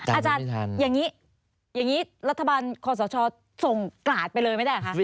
อาจารย์อย่างนี้อย่างนี้รัฐบาลคอสชส่งกราดไปเลยไม่ได้เหรอคะ